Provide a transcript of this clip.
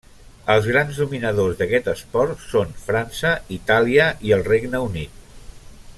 Els grans dominadors d'aquest esport són França, Itàlia i el Regne Unit.